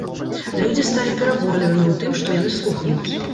Людзі сталі пераборлівымі у тым, што яны слухаюць.